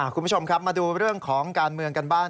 คุณผู้ชมครับมาดูเรื่องของการเมืองกันบ้าง